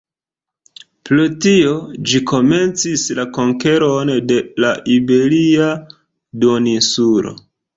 Pro tio ĝi komencis la konkeron de la iberia duoninsulo.